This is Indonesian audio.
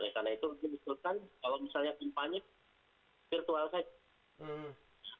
oleh karena itu mungkin disuruhkan kalau misalnya kempanye virtual saja